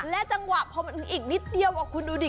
และจังหวะพอมันอีกนิดเดียวคุณดูดิ